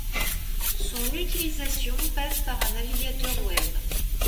Son utilisation passe par un navigateur Web.